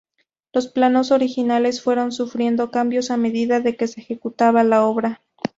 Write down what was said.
Los planos originales fueron sufriendo cambios a medida que se ejecutaba la obra.